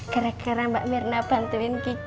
keren keren mbak mirna bantuin kiki